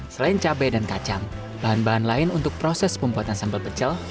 selain cabai dan kacang bahan bahan lain untuk proses pembuatan sambal pecel